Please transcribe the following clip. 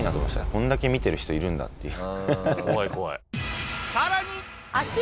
これだけ見てる人いるんだっていう。